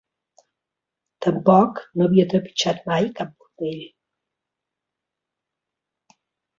Tampoc no havia trepitjat mai cap bordell.